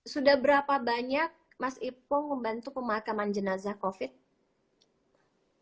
sudah berapa banyak mas ipo membantu pemakaman jenazah covid